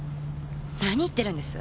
何言ってるんです？